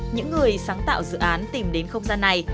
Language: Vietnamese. những người sáng tạo dự án tìm đến không gian này